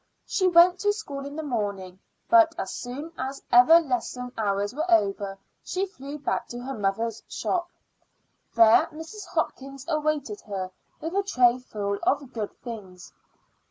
She went to school in the morning, but as soon as ever lesson hours were over she flew back to her mother's shop. There Mrs. Hopkins awaited her with a tray full of good things.